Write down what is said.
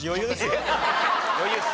余裕っす。